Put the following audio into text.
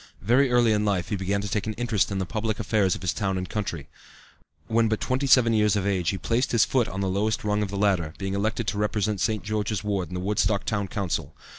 Very early in life he began to take an interest in the public affairs of his town and country. When but twenty seven years of age he placed his foot on the lowest rung of the ladder, being elected to represent St. George's Ward in the Woodstock Town Council.